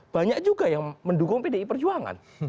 banyak juga yang mendukung pdi perjuangan